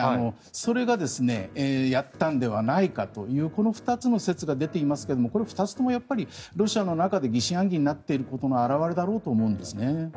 それがやったのではないかというこの２つの説が出ていますがこの２つともロシアの中で疑心暗鬼になっていることの表れだろうと思うんですね。